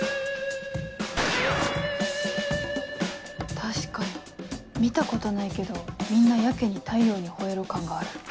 確かに見たことないけどみんなやけに『太陽にほえろ！』感がある。